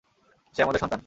সে আমাদের সন্তান।